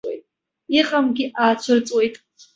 Иҟамгьы аацәырҵуеит.